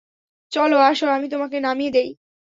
চলে আসো, আমি তোমাকে নামিয়ে দেই?